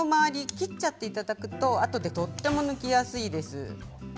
切っていただくとあとでとっても抜きやすいです。